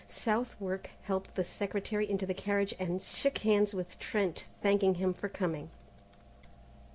Southwark helped the Secretary into the carriage, and shook hands with Trent, thanking him for coming.